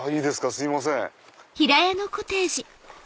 すいません。